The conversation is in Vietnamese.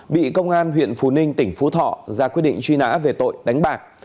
bị công an huyện phú ninh tỉnh phú thọ ra quyết định truy nã về tội đánh bạc